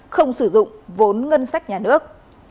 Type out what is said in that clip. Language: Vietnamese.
không sử dụng vốn ngân sách nhà nước